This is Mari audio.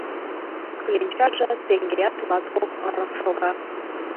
Кленчаже теҥгеат латкок ырым шога.